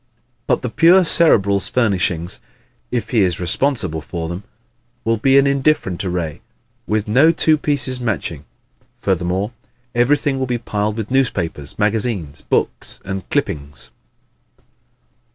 But the pure Cerebral's furnishings if he is responsible for them will be an indifferent array, with no two pieces matching. Furthermore, everything will be piled with newspapers, magazines, books and clippings.